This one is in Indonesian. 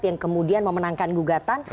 yang kemudian memenangkan gugatan